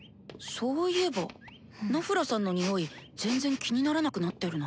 そういえばナフラさんのニオイ全然気にならなくなってるな。